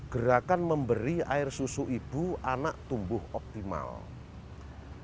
gerakan memberi air susu ibu anak tumbuh optimal